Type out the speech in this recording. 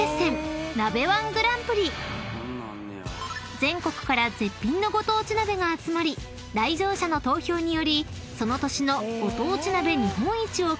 ［全国から絶品のご当地鍋が集まり来場者の投票によりその年のご当地鍋日本一を決める大会です］